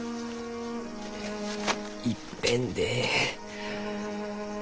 いっぺんでえい